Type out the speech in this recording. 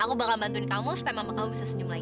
aku bakal bantuin kamu supaya kamu bisa senyum lagi